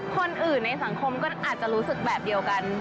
คนอื่นในสังคมก็อาจจะรู้สึกแบบเดียวกัน